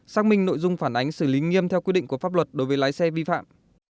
xác minh nội dung phản ánh xử lý nghiêm theo quy định của pháp luật đối với lái xe vi phạm